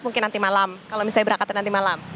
mungkin nanti malam kalau misalnya berangkatnya nanti malam